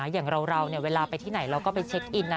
อย่างเราเวลาไปที่ไหนเราก็ไปเช็คอินนะ